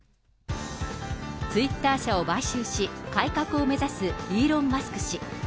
ツイッター社を買収し、改革を目指すイーロン・マスク氏。